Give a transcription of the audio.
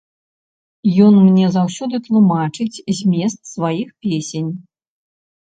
Ён мне заўсёды тлумачыць змест сваіх песень.